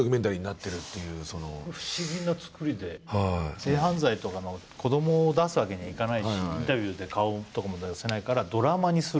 性犯罪とかの子どもを出すわけにはいかないしインタビューで顔とかも出せないからドラマにする。